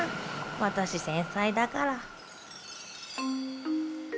私繊細だから。